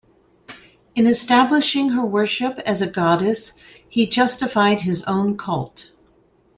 In establishing her worship as a goddess he justified his own cult.